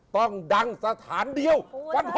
ต้องดังสถานเดียววันพร่ม